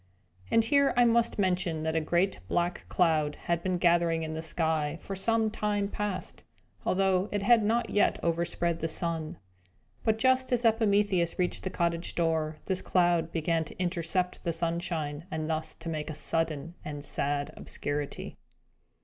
And here I must mention that a great black cloud had been gathering in the sky, for some time past, although it had not yet overspread the sun. But, just as Epimetheus reached the cottage door, this cloud began to intercept the sunshine, and thus to make a sudden and sad obscurity.